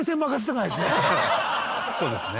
そうですね。